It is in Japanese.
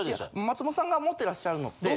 松本さんが持ってらっしゃるのって。